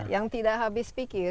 yang tidak habis pikir